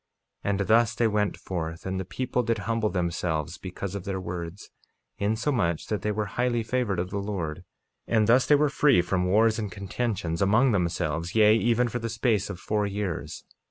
48:20 And thus they went forth, and the people did humble themselves because of their words, insomuch that they were highly favored of the Lord, and thus they were free from wars and contentions among themselves, yea, even for the space of four years.